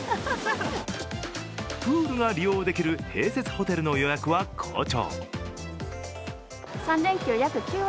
プールが利用できる併設ホテルの予約は好調。